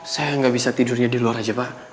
saya nggak bisa tidurnya di luar saja pak